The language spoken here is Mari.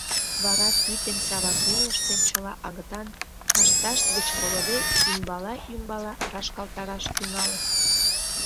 Вара пӱтынь Савак велыште чыла агытан, кашташт гыч волыде, ӱмбала-ӱмбала рашкалтараш тӱҥалыт.